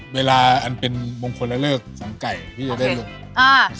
เวลาอันเป็นมงคลและเลิกของไก่ที่จะได้ลูก